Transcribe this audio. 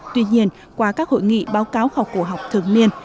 tuy nhiên qua các hội nghị báo cáo khảo cổ học thường niên